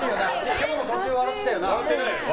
今日も途中笑ってたよな。